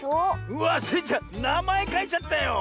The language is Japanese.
うわスイちゃんなまえかいちゃったよ。